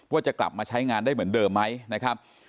ว่าจะกลับมาใช้งานได้เหมือนเดิมไหมนะครับ